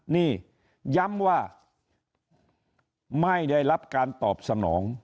นี่ย้ำว่าไม่ได้รับการตอบสนอง